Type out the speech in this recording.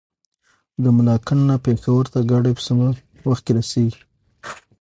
د ملاکنډ نه پېښور ته ګاډی په څومره وخت کې رسي؟